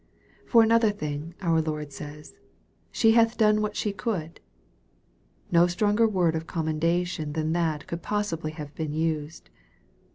For another thing, our Lord says, " She hath done what she could." No stronger word of commendation than that could possibly have been used.